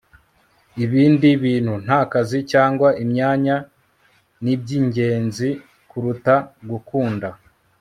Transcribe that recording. ibindi bintu nkakazi cyangwa imyanya nibyingenzi kuruta gukunda